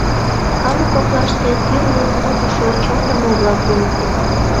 «Калык коклаште тӱрлым лугышо чондымо-влак улытыс».